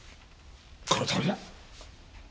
このとおりだ。